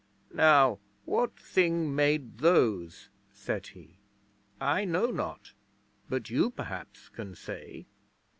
'Now, what Thing made those?' said he. 'I know not, but you, perhaps, can say.'